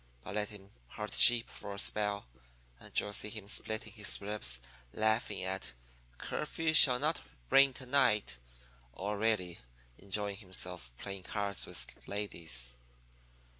But let him herd sheep for a spell, and you'll see him splitting his ribs laughing at 'Curfew Shall Not Ring To night,' or really enjoying himself playing cards with ladies.